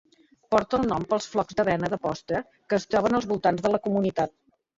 Porta el nom pels flocs d'avena de postre que es troben als voltants de la comunitat.